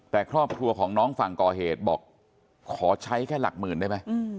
แต่ครอบครัวของน้องฝั่งก่อเหตุบอกขอใช้แค่หลักหมื่นได้ไหม